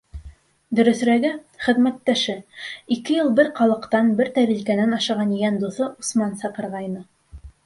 Дөрөҫөрәге, хеҙмәттәше, ике йыл бер ҡалаҡтан, бер тәрилкәнән ашаған йән дуҫы Усман саҡырғайны.